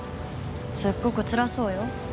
すっごくつらそうよ。